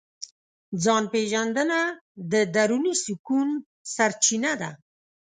ځان پېژندنه د دروني سکون سرچینه ده.